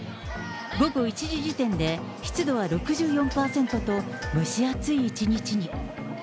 午後１時時点で、湿度は６４％と、蒸し暑い一日に。